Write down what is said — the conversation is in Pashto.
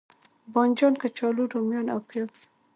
بانجان، کچالو، روميان او پیاز